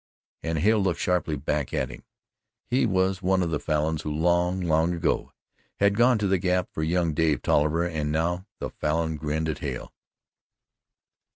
And Hale looked sharply back at him. He was one of the Falins who long, long ago had gone to the Gap for young Dave Tolliver, and now the Falin grinned at Hale.